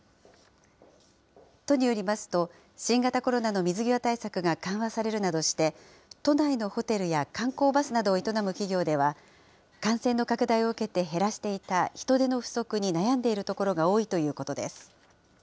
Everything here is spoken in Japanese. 都によりますと、新型コロナの水際対策が緩和されるなどして、都内のホテルや観光バスなどを営む企業では、感染の拡大を受けて減らしていた人手の不足に悩んでいるところが多いということです。